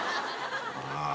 ああ。